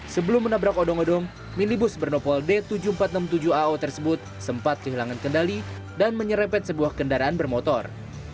sebelum menabrak odong odong minibus bernopol d tujuh ribu empat ratus enam puluh tujuh ao tersebut sempat kehilangan kendali dan menyerepet sebuah kendaraan bermotor